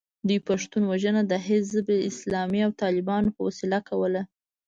دوی پښتون وژنه د حزب اسلامي او طالبانو په وسیله کوله.